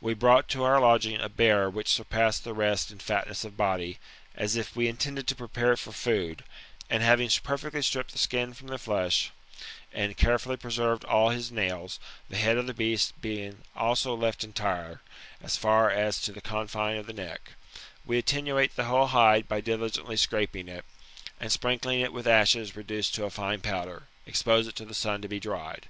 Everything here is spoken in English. We brought to our lodfring a bear which surpassed (he rest in fatness of body, as if we in tended to prepare it for food, and having perfectly stripped the skin from the flesh, and carefully preserved all his nails, the head of the beast being also left entire, so far as to the confine of the neck ; we attenuate the whole hide by diligently scraping it, and sprinkling it with ashes reduced to a fine powder, expose it to the sun to be dried.